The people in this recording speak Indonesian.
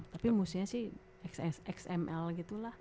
tapi musuhnya sih xs xml gitu lah